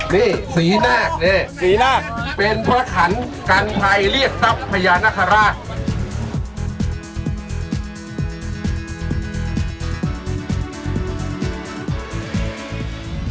เต็มไงนี้สีนาคนี้สีนาคเป็นพระขันต์กันภัยเรียกตั๊บพญาณคาราช